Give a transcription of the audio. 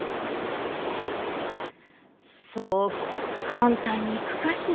んそう簡単にいくかしら？